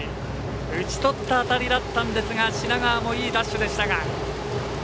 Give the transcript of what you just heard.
打ちとった当たりだったんですが品川もいいダッシュでしたが。